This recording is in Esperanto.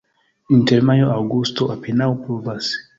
Inter majo-aŭgusto apenaŭ pluvas.